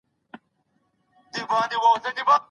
ایا زیاته ډوډۍ به ماڼۍ ته یوړل سي؟